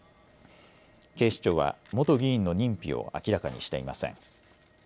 警視庁は元議員の認否を明らかにしていません。